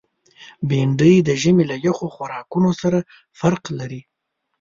بېنډۍ د ژمي له یخو خوراکونو سره فرق لري